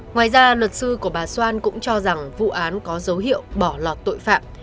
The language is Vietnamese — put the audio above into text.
ngoài ra luật sư của bà xoan cũng cho rằng vụ án có dấu hiệu bỏ lọt tội phạm